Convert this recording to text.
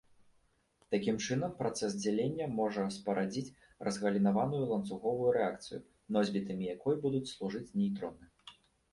Такім чынам, працэс дзялення можа спарадзіць разгалінаваную ланцуговую рэакцыю, носьбітамі якой будуць служыць нейтроны.